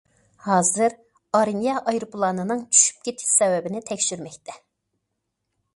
ھازىر ئارمىيە ئايروپىلاننىڭ چۈشۈپ كېتىش سەۋەبىنى تەكشۈرمەكتە.